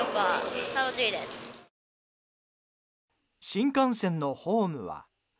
新幹線のホームは。